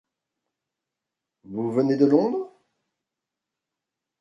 Vous venez de Londres ?